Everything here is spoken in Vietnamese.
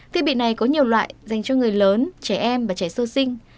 thiết bị này có nhiều loại dành cho người lớn trẻ em và trẻ sơ sinh